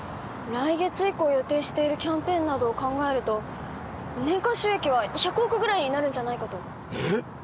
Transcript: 来月以降予定しているキャンペーンなどを考えると年間収益は１００億ぐらいになるんじゃないかとえーっ！？